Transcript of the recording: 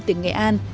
tỉnh nghệ an